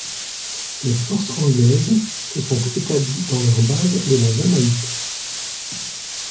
Les forces anglaises se sont établies dans leur base de la Jamaïque.